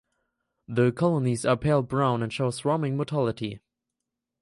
The colonies are pale brown and show swarming motility.